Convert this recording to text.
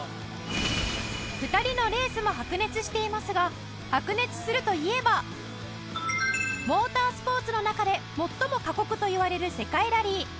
２人のレースも白熱していますが白熱するといえばモータースポーツの中で最も過酷といわれる世界ラリー